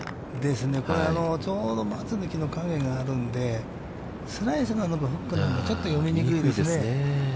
これ、ちょうど松の木の陰があるので、スライスなのか、フックなのか、ちょっと読みにくいですね。